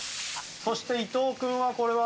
そして伊藤君はこれは？